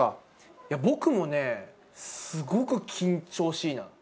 僕もね、すごく緊張しいなの。